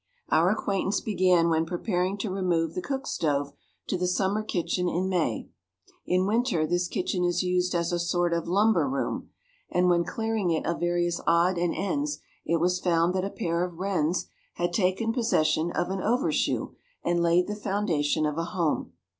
Our acquaintance began when preparing to remove the cook stove to the summer kitchen in May. In winter this kitchen is used as a sort of lumber room, and when clearing it of various odd and ends it was found that a pair of wrens had taken possession of an overshoe and laid the foundation of a home.